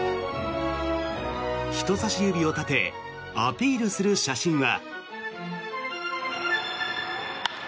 人さし指を立てアピールする写真は。